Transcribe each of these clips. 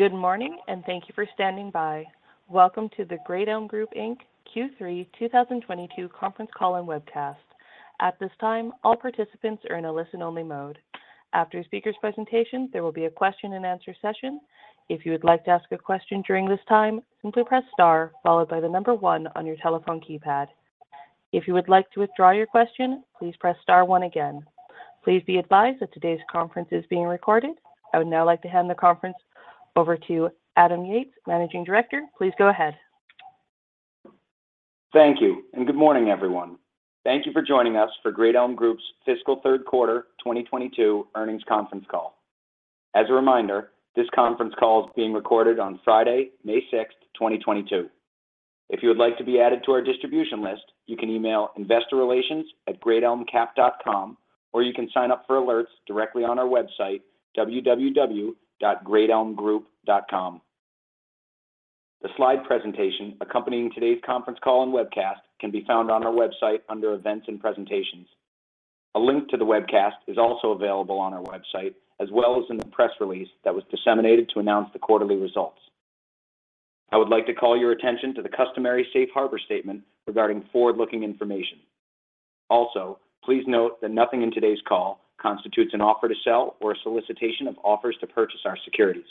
Good morning, and thank you for standing by. Welcome to the Great Elm Group, Inc. Q3 2022 conference call and webcast. At this time, all participants are in a listen-only mode. After the speaker's presentation, there will be a question and answer session. If you would like to ask a question during this time, simply press star followed by the number one on your telephone keypad. If you would like to withdraw your question, please press star one again. Please be advised that today's conference is being recorded. I would now like to hand the conference over to Adam Yates, Managing Director. Please go ahead. Thank you, and good morning, everyone. Thank you for joining us for Great Elm Group's fiscal third quarter 2022 earnings conference call. As a reminder, this conference call is being recorded on Friday, May 6, 2022. If you would like to be added to our distribution list, you can email investorrelations@greatelmcap.com, or you can sign up for alerts directly on our website, www.greatelmgroup.com. The slide presentation accompanying today's conference call and webcast can be found on our website under Events and Presentations. A link to the webcast is also available on our website, as well as in the press release that was disseminated to announce the quarterly results. I would like to call your attention to the customary safe harbor statement regarding forward-looking information. Also, please note that nothing in today's call constitutes an offer to sell or a solicitation of offers to purchase our securities.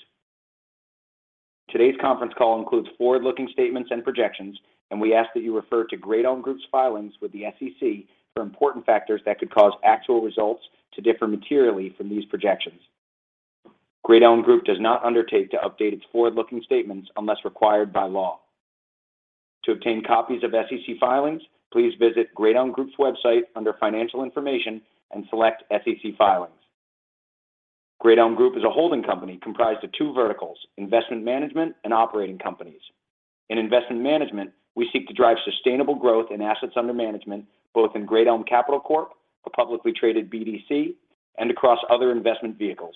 Today's conference call includes forward-looking statements and projections, and we ask that you refer to Great Elm Group's filings with the SEC for important factors that could cause actual results to differ materially from these projections. Great Elm Group does not undertake to update its forward-looking statements unless required by law. To obtain copies of SEC filings, please visit Great Elm Group's website under Financial Information and select SEC Filings. Great Elm Group is a holding company comprised of two verticals, investment management and operating companies. In investment management, we seek to drive sustainable growth in assets under management, both in Great Elm Capital Corp., a publicly traded BDC, and across other investment vehicles.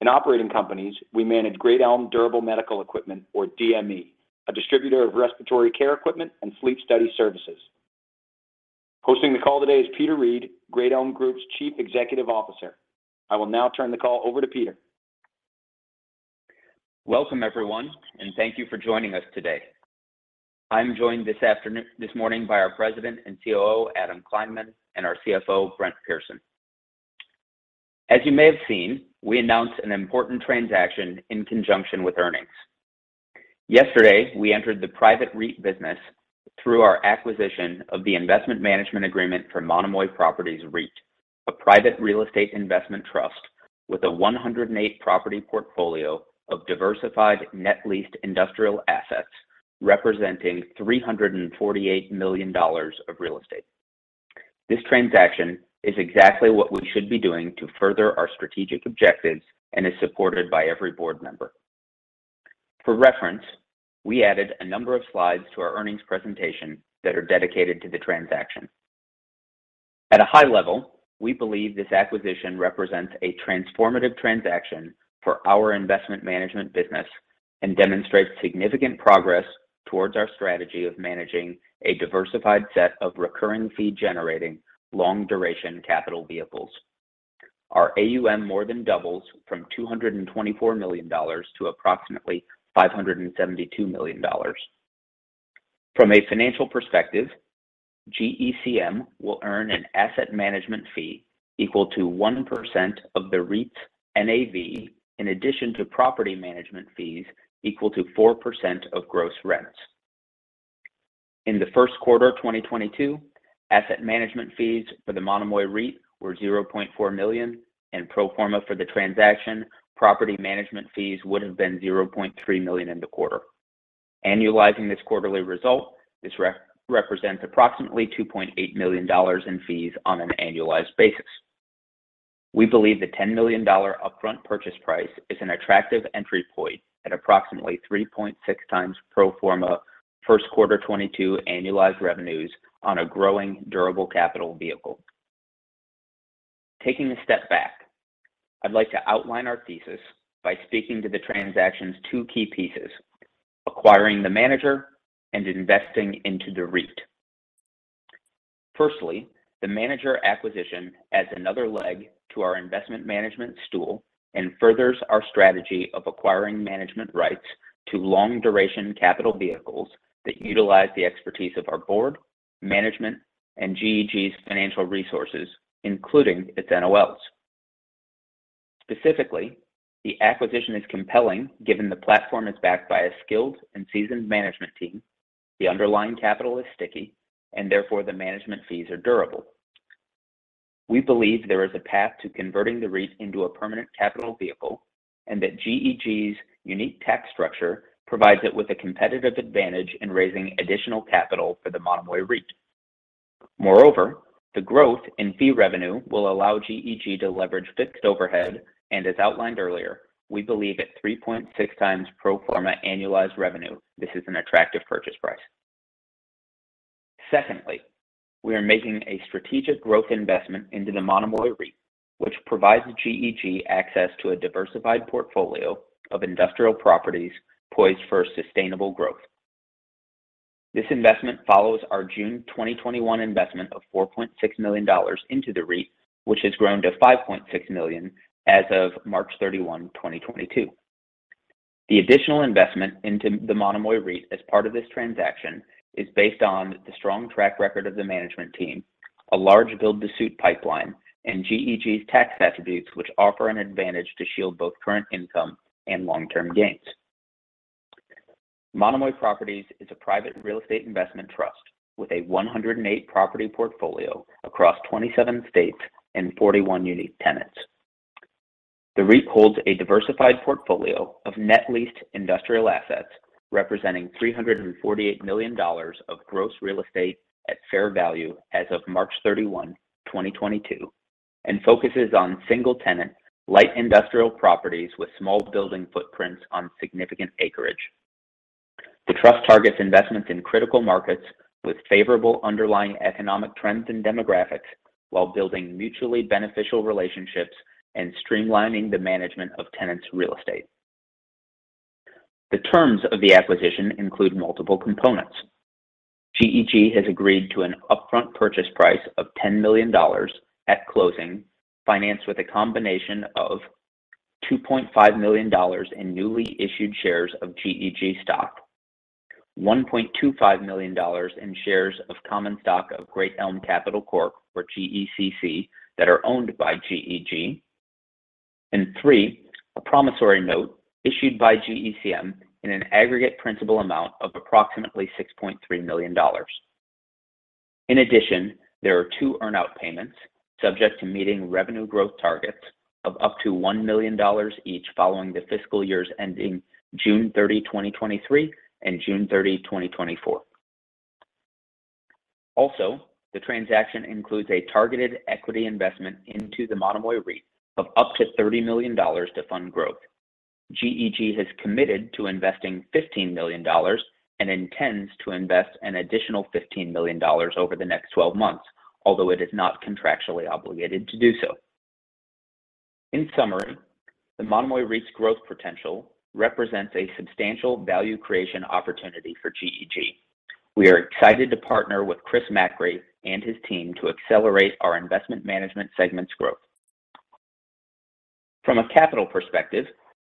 In operating companies, we manage Great Elm Durable Medical Equipment, or DME, a distributor of respiratory care equipment and sleep study services. Hosting the call today is Peter Reed, Great Elm Group's Chief Executive Officer. I will now turn the call over to Peter. Welcome, everyone, and thank you for joining us today. I'm joined this morning by our President and COO, Adam Kleinman, and our CFO, Brent Pearson. As you may have seen, we announced an important transaction in conjunction with earnings. Yesterday, we entered the private REIT business through our acquisition of the investment management agreement for Monomoy Properties REIT, a private real estate investment trust with a 108-property portfolio of diversified net leased industrial assets representing $348 million of real estate. This transaction is exactly what we should be doing to further our strategic objectives and is supported by every board member. For reference, we added a number of slides to our earnings presentation that are dedicated to the transaction. At a high level, we believe this acquisition represents a transformative transaction for our investment management business and demonstrates significant progress towards our strategy of managing a diversified set of recurring fee generating, long duration capital vehicles. Our AUM more than doubles from $224 million to approximately $572 million. From a financial perspective, GECM will earn an asset management fee equal to 1% of the REIT's NAV, in addition to property management fees equal to 4% of gross rents. In the first quarter 2022, asset management fees for the Monomoy REIT were $0.4 million, and pro forma for the transaction, property management fees would have been $0.3 million in the quarter. Annualizing this quarterly result, this represents approximately $2.8 million in fees on an annualized basis. We believe the $10 million upfront purchase price is an attractive entry point at approximately 3.6x pro forma first quarter 2022 annualized revenues on a growing durable capital vehicle. Taking a step back, I'd like to outline our thesis by speaking to the transaction's two key pieces, acquiring the manager and investing into the REIT. Firstly, the manager acquisition adds another leg to our investment management stool and furthers our strategy of acquiring management rights to long duration capital vehicles that utilize the expertise of our board, management, and GEG's financial resources, including its NOLs. Specifically, the acquisition is compelling given the platform is backed by a skilled and seasoned management team. The underlying capital is sticky and therefore the management fees are durable. We believe there is a path to converting the REIT into a permanent capital vehicle, and that GEG's unique tax structure provides it with a competitive advantage in raising additional capital for the Monomoy REIT. Moreover, the growth in fee revenue will allow GEG to leverage fixed overhead, and as outlined earlier, we believe at 3.6x pro forma annualized revenue, this is an attractive purchase price. Secondly, we are making a strategic growth investment into the Monomoy REIT, which provides GEG access to a diversified portfolio of industrial properties poised for sustainable growth. This investment follows our June 2021 investment of $4.6 million into the REIT, which has grown to $5.6 million as of March 31, 2022. The additional investment into the Monomoy REIT as part of this transaction is based on the strong track record of the management team, a large build-to-suit pipeline, and GEG's tax attributes which offer an advantage to shield both current income and long-term gains. Monomoy Properties is a private real estate investment trust with a 108-property portfolio across 27 states and 41 unique tenants. The REIT holds a diversified portfolio of net leased industrial assets representing $348 million of gross real estate at fair value as of March 31, 2022, and focuses on single-tenant light industrial properties with small building footprints on significant acreage. The trust targets investments in critical markets with favorable underlying economic trends and demographics while building mutually beneficial relationships and streamlining the management of tenants' real estate. The terms of the acquisition include multiple components. GEG has agreed to an upfront purchase price of $10 million at closing, financed with a combination of $2.5 million in newly issued shares of GEG stock, $1.25 million in shares of common stock of Great Elm Capital Corp., or GECC, that are owned by GEG, and three, a promissory note issued by GECM in an aggregate principal amount of approximately $6.3 million. In addition, there are two earn-out payments subject to meeting revenue growth targets of up to $1 million each following the fiscal years ending June 30, 2023 and June 30, 2024. Also, the transaction includes a targeted equity investment into the Monomoy REIT of up to $30 million to fund growth. GEG has committed to investing $15 million and intends to invest an additional $15 million over the next 12 months, although it is not contractually obligated to do so. In summary, the Monomoy REIT's growth potential represents a substantial value creation opportunity for GEG. We are excited to partner with Chris Macri and his team to accelerate our investment management segment's growth. From a capital perspective,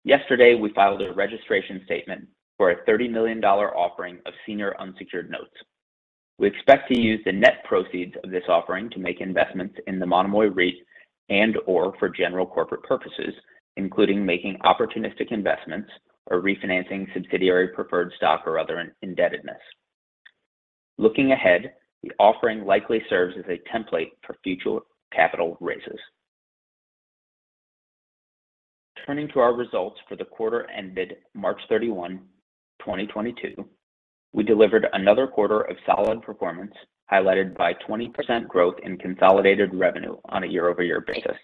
yesterday we filed a registration statement for a $30 million offering of senior unsecured notes. We expect to use the net proceeds of this offering to make investments in the Monomoy REIT and/or for general corporate purposes, including making opportunistic investments or refinancing subsidiary preferred stock or other indebtedness. Looking ahead, the offering likely serves as a template for future capital raises. Turning to our results for the quarter ended March 31, 2022, we delivered another quarter of solid performance, highlighted by 20% growth in consolidated revenue on a year-over-year basis.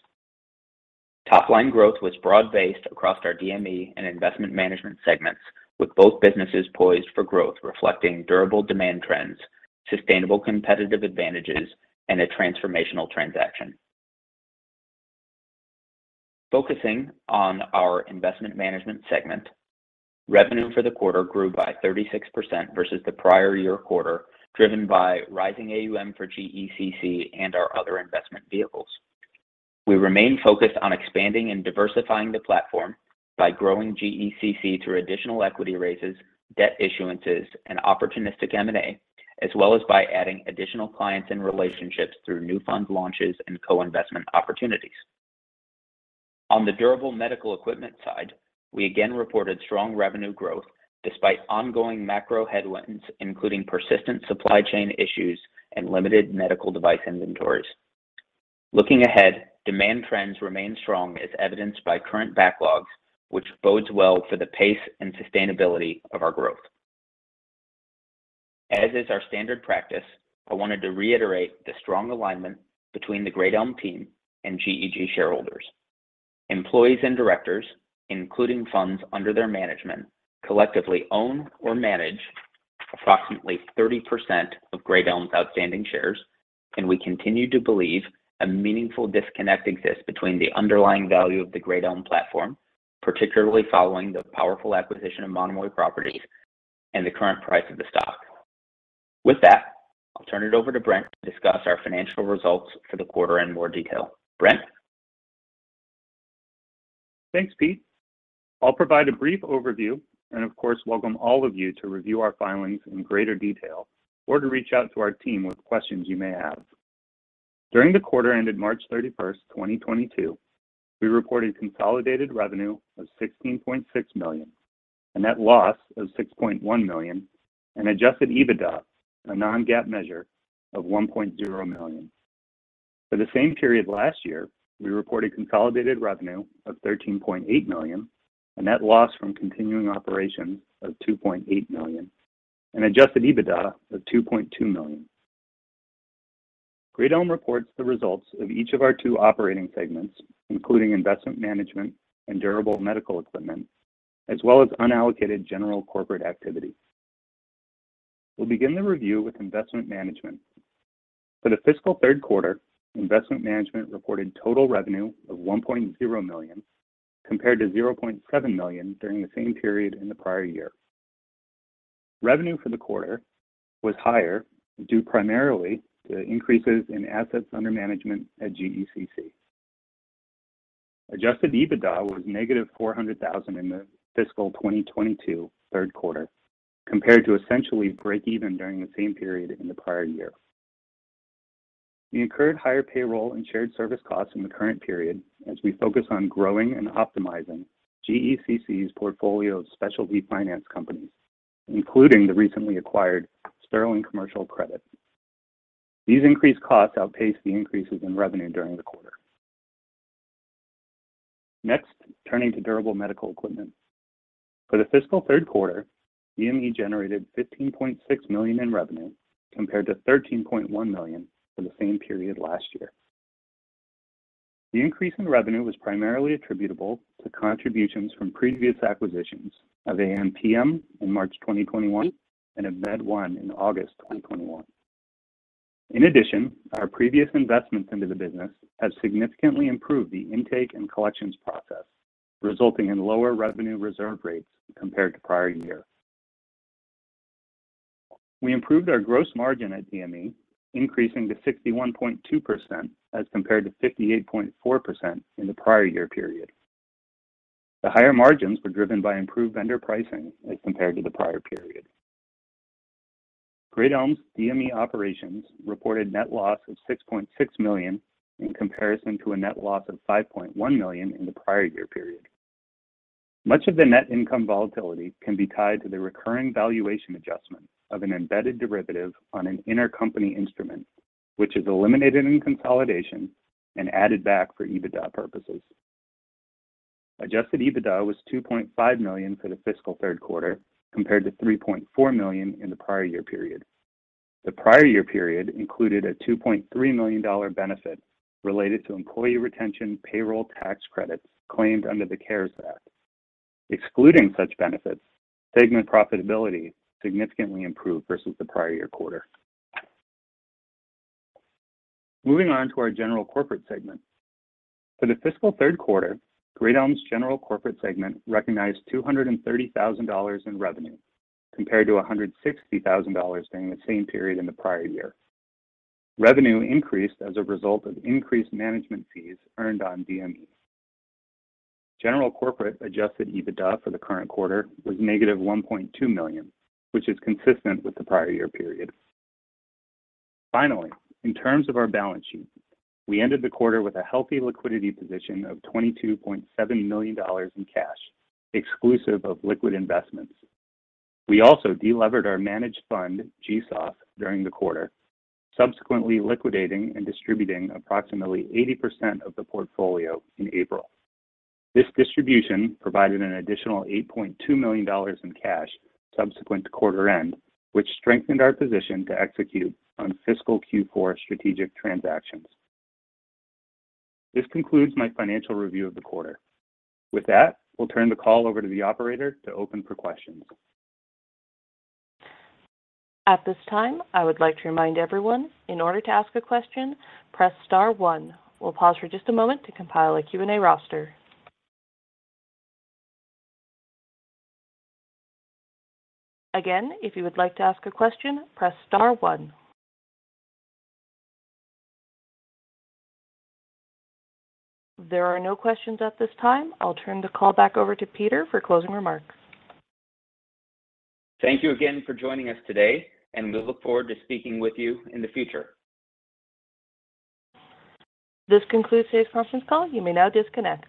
Top-line growth was broad-based across our DME and investment management segments, with both businesses poised for growth reflecting durable demand trends, sustainable competitive advantages, and a transformational transaction. Focusing on our investment management segment, revenue for the quarter grew by 36% versus the prior year quarter, driven by rising AUM for GECC and our other investment vehicles. We remain focused on expanding and diversifying the platform by growing GECC through additional equity raises, debt issuances, and opportunistic M&A, as well as by adding additional clients and relationships through new fund launches and co-investment opportunities. On the durable medical equipment side, we again reported strong revenue growth despite ongoing macro headwinds, including persistent supply chain issues and limited medical device inventories. Looking ahead, demand trends remain strong as evidenced by current backlogs, which bodes well for the pace and sustainability of our growth. As is our standard practice, I wanted to reiterate the strong alignment between the Great Elm team and GEG shareholders. Employees and directors, including funds under their management, collectively own or manage approximately 30% of Great Elm's outstanding shares. We continue to believe a meaningful disconnect exists between the underlying value of the Great Elm platform, particularly following the powerful acquisition of Monomoy Properties, and the current price of the stock. With that, I'll turn it over to Brent to discuss our financial results for the quarter in more detail. Brent? Thanks, Pete. I'll provide a brief overview, and of course, welcome all of you to review our filings in greater detail or to reach out to our team with questions you may have. During the quarter ended March 31, 2022, we reported consolidated revenue of $16.6 million, a net loss of $6.1 million, and adjusted EBITDA, a non-GAAP measure, of $1.0 million. For the same period last year, we reported consolidated revenue of $13.8 million, a net loss from continuing operations of $2.8 million, and adjusted EBITDA of $2.2 million. Great Elm reports the results of each of our two operating segments, including investment management and durable medical equipment, as well as unallocated general corporate activity. We'll begin the review with investment management. For the fiscal third quarter, investment management reported total revenue of $1.0 million, compared to $0.7 million during the same period in the prior year. Revenue for the quarter was higher, due primarily to increases in assets under management at GECC. Adjusted EBITDA was -$400,000 in the fiscal 2022 third quarter, compared to essentially breakeven during the same period in the prior year. We incurred higher payroll and shared service costs in the current period as we focus on growing and optimizing GECC's portfolio of specialty finance companies, including the recently acquired Sterling Commercial Credit. These increased costs outpaced the increases in revenue during the quarter. Next, turning to durable medical equipment. For the fiscal third quarter, DME generated $15.6 million in revenue, compared to $13.1 million for the same period last year. The increase in revenue was primarily attributable to contributions from previous acquisitions of AMPM in March 2021 and of MedOne in August 2021. In addition, our previous investments into the business have significantly improved the intake and collections process, resulting in lower revenue reserve rates compared to prior year. We improved our gross margin at DME, increasing to 61.2% as compared to 58.4% in the prior year period. The higher margins were driven by improved vendor pricing as compared to the prior period. Great Elm's DME operations reported net loss of $6.6 million in comparison to a net loss of $5.1 million in the prior year period. Much of the net income volatility can be tied to the recurring valuation adjustment of an embedded derivative on an intercompany instrument, which is eliminated in consolidation and added back for EBITDA purposes. Adjusted EBITDA was $2.5 million for the fiscal third quarter, compared to $3.4 million in the prior year period. The prior year period included a $2.3 million benefit related to employee retention payroll tax credits claimed under the CARES Act. Excluding such benefits, segment profitability significantly improved versus the prior year quarter. Moving on to our general corporate segment. For the fiscal third quarter, Great Elm's general corporate segment recognized $230,000 in revenue, compared to $160,000 during the same period in the prior year. Revenue increased as a result of increased management fees earned on DME. General corporate adjusted EBITDA for the current quarter was -$1.2 million, which is consistent with the prior year period. Finally, in terms of our balance sheet, we ended the quarter with a healthy liquidity position of $22.7 million in cash, exclusive of liquid investments. We also delevered our managed fund, GESOF, during the quarter, subsequently liquidating and distributing approximately 80% of the portfolio in April. This distribution provided an additional $8.2 million in cash subsequent to quarter end, which strengthened our position to execute on fiscal Q4 strategic transactions. This concludes my financial review of the quarter. With that, we'll turn the call over to the operator to open for questions. At this time, I would like to remind everyone, in order to ask a question, press star one. We'll pause for just a moment to compile a Q&A roster. Again, if you would like to ask a question, press star one. There are no questions at this time. I'll turn the call back over to Peter for closing remarks. Thank you again for joining us today, and we look forward to speaking with you in the future. This concludes today's conference call. You may now disconnect.